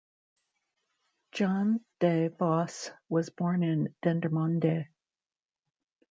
Jan De Vos was born in Dendermonde.